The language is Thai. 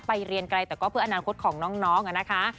เรียนไกลแต่ก็เพื่ออนาคตของน้องนะคะ